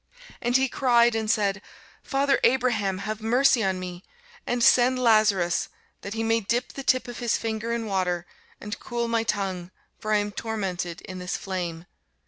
And he cried and said, Father Abraham, have mercy on me, and send Lazarus, that he may dip the tip of his finger in water, and cool my tongue; for I am tormented in this flame.